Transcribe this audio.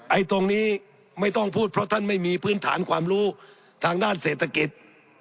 ตรงนี้ไม่ต้องพูดเพราะท่านไม่มีพื้นฐานความรู้ทางด้านเศรษฐกิจ